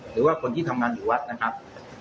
หรือว่าคนที่ทำงานอยู่วัดนะครับ